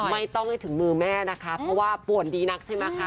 ไม่ต้องให้ถึงมือแม่นะคะเพราะว่าป่วนดีนักใช่ไหมคะ